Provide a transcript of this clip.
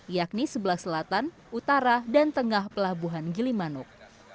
yakni sebelah selatan utara dan tengah pelabuhan gilimanuk